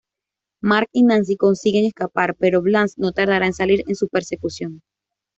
Mark y Nancy consiguen escapar, pero Blast no tardará en salir en su persecución.